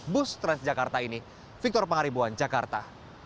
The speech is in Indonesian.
bus transjakarta ini victor pangaribuan jakarta